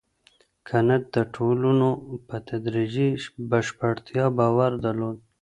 کنت د ټولنو په تدریجي بشپړتیا باور درلود.